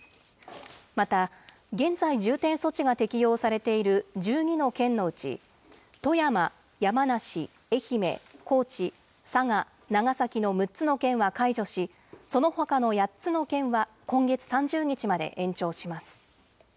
また、現在、重点措置が適用されている１２の県のうち、富山、山梨、愛媛、高知、佐賀、長崎の６つの県は解除し、そのほかの８つの県は今月３０日まで延長します。